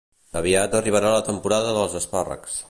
Aviat arribarà la temporada dels espàrrecs